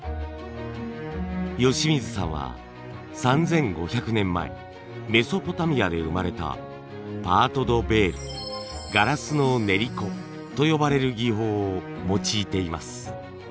由水さんは３，５００年前メソポタミアで生まれたパート・ド・ヴェールガラスの練り粉と呼ばれる技法を用いています。